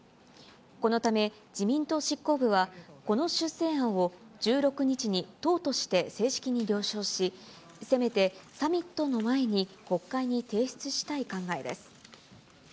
このため、自民党執行部はこの修正案を１６日に党として正式に了承し、せめてサミットの前に国会に提出したい考えです。